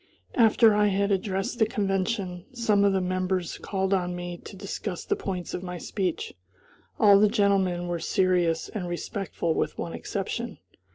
After I had addressed the convention, some of the members called on me to discuss the points of my speech. All the gentlemen were serious and respectful with one exception.